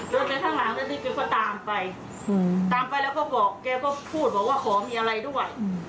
แล้วแกข้างหลังอันนี้แกก็ตามไปตามไปแล้วก็บอกแกก็พูดบอกว่าขอมีอะไรด้วย